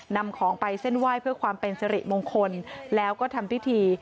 นำของไปเส้นไหว้เพื่อความเป็นสิริมงคลแล้วก็ทำพิธี